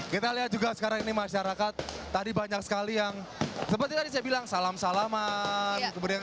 kita lihat juga sekarang ini masyarakat tadi banyak sekali yang seperti tadi saya bilang salam salaman